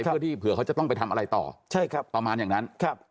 เพื่อที่เผื่อเขาจะต้องไปทำอะไรต่อประมาณอย่างนั้น